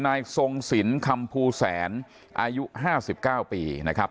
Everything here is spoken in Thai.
นายทรงสินคำภูแสนอายุ๕๙ปีนะครับ